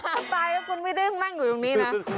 ถ้าตายแล้วคุณไม่ได้ขึ้นมากกว่าอยู่ตรงนี้นะ